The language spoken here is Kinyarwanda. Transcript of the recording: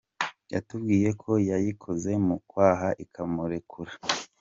Yatubwiye ko yayikoze mu kwaha ikamurekura.